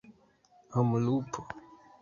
homlupo